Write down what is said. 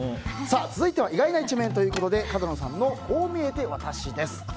続いては意外な一面ということで角野さんのこう見えてワタシです。